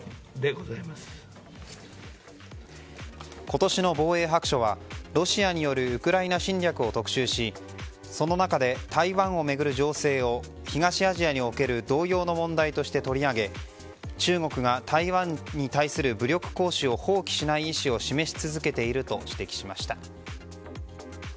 今年の防衛白書はロシアによるウクライナ侵略を特集し、その中で台湾を巡る情勢を東アジアにおける同様の問題として取り上げ中国が台湾に対する武力行使を放棄しない意思を示し続けていると指摘しました。